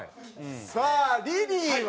さあリリーは？